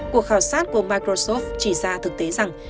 cuộc khảo sát của microsoff chỉ ra thực tế rằng